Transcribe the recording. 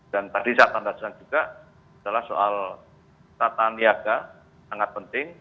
dan tadi saya tandatangan juga adalah soal tata niaga sangat penting